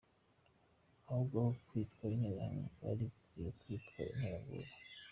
Ahubwo aho kwitwa Interahamwe bari bakwiriye kwitwa « Interabwoba ».